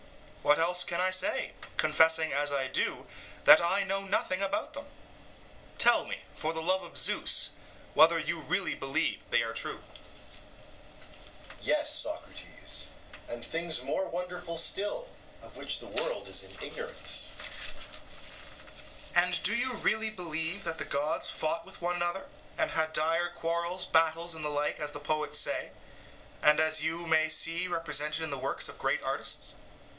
What else can I say, confessing as I do, that I know nothing about them? Tell me, for the love of Zeus, whether you really believe that they are true. EUTHYPHRO: Yes, Socrates; and things more wonderful still, of which the world is in ignorance. SOCRATES: And do you really believe that the gods fought with one another, and had dire quarrels, battles, and the like, as the poets say, and as you may see represented in the works of great artists?